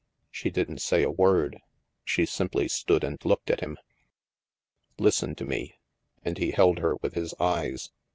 She didn't say a word. She simply stood and looked at him. Listen to me," and he held her with his eyes.